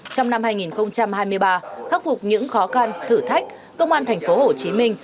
trong năm hai nghìn hai mươi ba khắc phục những khó khăn thử thách công an thành phố hồ chí minh